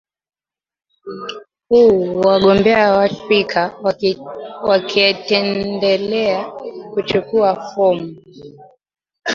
u wagombea wa spika wakietendelea kuchukuwa fomu